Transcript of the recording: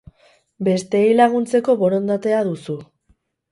Besteei laguntzeko borondatea duzu.